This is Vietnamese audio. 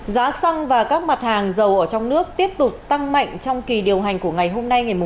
giá xăng và các mặt hàng dầu ở trong nước tiếp tục tăng mạnh trong kỳ điều hành của ngày hôm nay